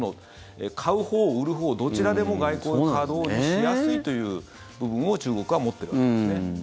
買うほう売るほうどちらでも外交のカードにしやすいという部分を中国は持っているわけですね。